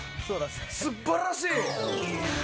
素晴らしい！